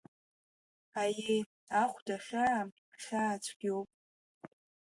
Аиеи, ахәда хьаа, хьаа цәгьоуп.